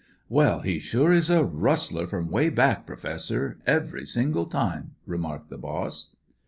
"Well, he sure is a rustler from 'way back, Professor, every single time," remarked the boss.